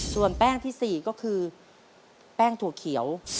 ส่วนแป้งที่๔ก็คือแป้งถั่วเขียว